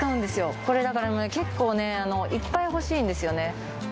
これだから結構ねいっぱい欲しいんですよね